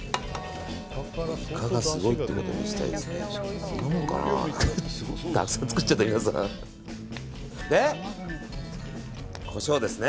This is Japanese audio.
イカがすごいってことを見せたいですね。